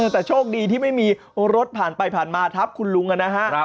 แต่โชคดีที่ไม่มีรถผ่านไปผ่านมาทับคุณลุงนะฮะ